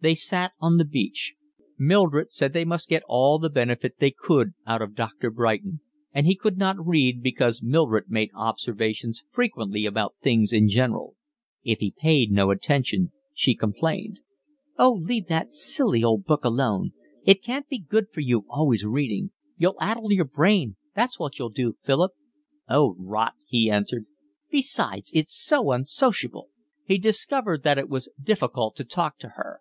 They sat on the beach. Mildred said they must get all the benefit they could out of Doctor Brighton, and he could not read because Mildred made observations frequently about things in general. If he paid no attention she complained. "Oh, leave that silly old book alone. It can't be good for you always reading. You'll addle your brain, that's what you'll do, Philip." "Oh, rot!" he answered. "Besides, it's so unsociable." He discovered that it was difficult to talk to her.